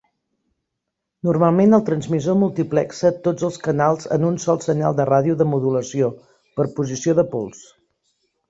Normalment el transmissor multiplexa tots els canals en un sol senyal de ràdio de modulació per posició de pols.